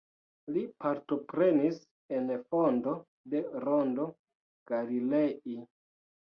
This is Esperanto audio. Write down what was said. Li partoprenis en fondo de Rondo Galilei.